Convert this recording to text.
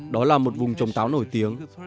đó là một vùng trồng táo nổi tiếng